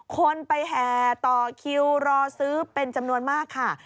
คนไปแห่ต่อคิวรอซื้อเป็นจำนวนมากค่ะ